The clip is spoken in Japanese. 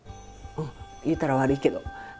言うたら悪いけど。